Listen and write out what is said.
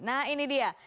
nah ini dia